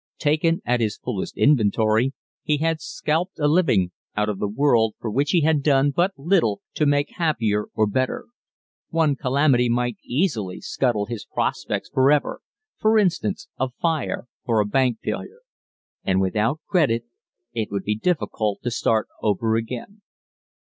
Taken at his fullest inventory he had "scalped" a living out of the world for which he had done but little to make happier or better. One calamity might easily scuttle his prospects forever for instance, a fire, or a bank failure. And without credit it would be difficult to start over again.